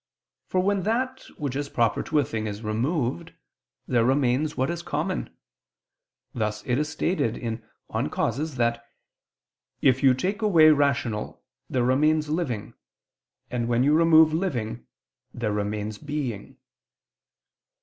For when that which is proper to a thing is removed, there remains what is common; thus it is stated in De Causis that "if you take away rational, there remains living, and when you remove living, there remains being."